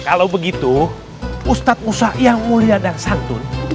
kalau begitu ustadz musa yang mulia dan santun